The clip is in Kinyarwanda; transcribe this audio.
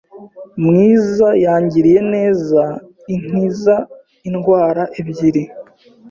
mwiza yangiriye neza inkiza indwara ebyiri